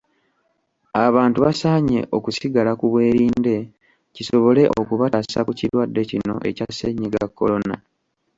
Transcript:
Abantu basaanye okusigala ku bwerinde, kisobole okubataasa ku kirwadde kino ekya ssennyiga Kolona.